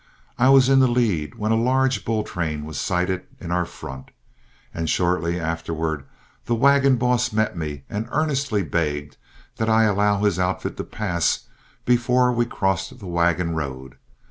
I was in the lead when a large bull train was sighted in our front, and shortly afterward the wagon boss met me and earnestly begged that I allow his outfit to pass before we crossed the wagon road.